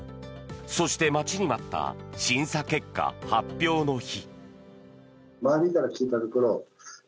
そして、待ちに待った審査結果発表の日。